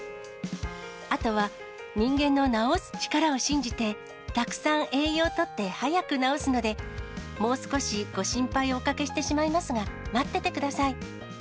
あとは人間の治す力を信じて、たくさん栄養とって、早く治すので、もう少しご心配をおかけしてしまいますが、待っててください。